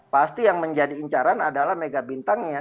pasti yang menjadi incaran adalah mega bintangnya